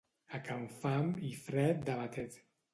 A can Fam i Fred de Batet.